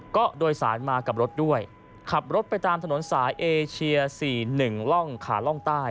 ก็โดยสารมากับรถด้วยขับรถไปตามถนนสายเอเชีย๔๑ร่องขาล่องใต้